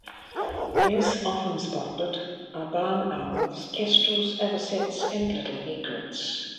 Less often spotted are barn owls, kestrels, avocets and little egrets.